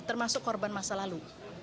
termasuk korban masa lalu